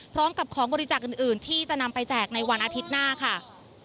พร้อมกับของบริจาคอื่นที่จะนำไปแจกในวันอาทิตย์หน้าค่ะ